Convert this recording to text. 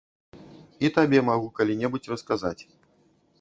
І табе магу калі-небудзь расказаць.